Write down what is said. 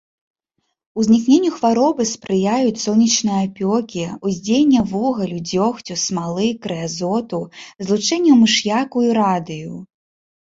Узнікненню хваробы спрыяюць сонечныя апёкі, уздзеянне вугалю, дзёгцю, смалы, крэазоту, злучэнняў мыш'яку і радыю.